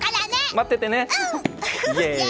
待っててね！